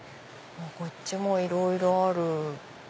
こっちもいろいろある。